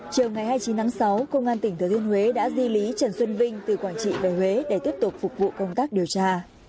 chiều ngày hai mươi chín tháng sáu công an tỉnh thừa thiên huế đã di lý trần xuân vinh từ quảng trị về huế để tiếp tục phục vụ công tác điều tra